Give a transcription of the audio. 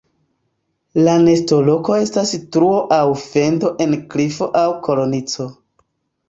La nestoloko estas truo aŭ fendo en klifo aŭ kornico.